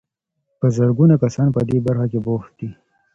په زرګونه کسان په دې برخه کې بوخت دي.